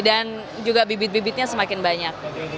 dan juga bibit bibitnya semakin banyak